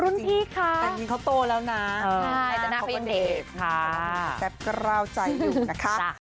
รุ่นพี่คะแต่จริงเขาโตแล้วนะแต่หน้าเขาก็เด็กแป๊บก็ร่าวใจอยู่นะครับ